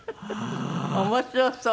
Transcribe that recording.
面白そう。